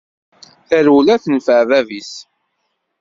Tarewla tenfeε bab-is.